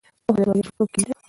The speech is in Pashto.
پوهه د بریالیتوب کیلي ده.